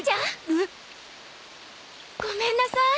うん？ごめんなさい。